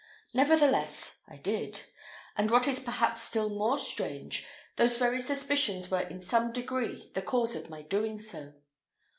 Nevertheless I did, and what is perhaps still more strange, those very suspicions were in some degree the cause of my doing so.